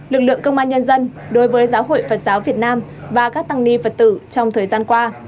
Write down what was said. lực lượng công an nhân dân đối với giáo hội phật giáo việt nam và các tăng ni phật tử trong thời gian qua